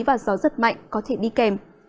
và gió rất mạnh có thể đi kèm